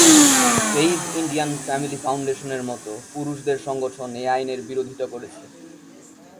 Save Indian family ফাউন্ডেশনের মতো পুরুষদের সংগঠন এই আইনের বিরোধিতা করেছে।